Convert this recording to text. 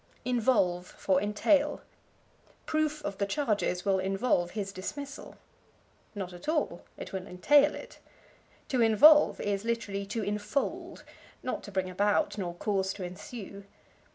Involve for Entail. "Proof of the charges will involve his dismissal." Not at all; it will entail it. To involve is, literally, to infold, not to bring about, nor cause to ensue.